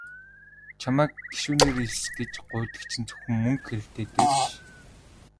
Чамайг гишүүнээр элс гэж гуйдаг чинь зөвхөн мөнгө хэрэгтэйдээ биш.